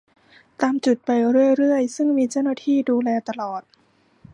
ตามจุดไปเรื่อยเรื่อย ซึ่งมีเจ้าหน้าที่ดูแลตลอด